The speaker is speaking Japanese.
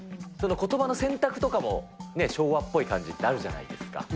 ことばの選択とかも昭和っぽい感じってあるじゃないですか。